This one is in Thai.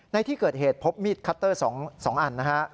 ในที่เกิดเหตุพบมีดคัตเตอร์๒อันนะฮะ